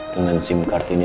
dengan sim card ini